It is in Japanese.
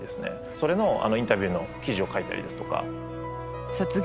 それのインタビューの記事を書いたりですとか。